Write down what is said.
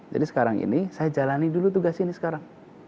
jadi sekarang ini saya jalani dulu tugas ini sekarang